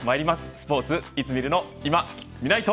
スポーツいつ見るのいま、みないと。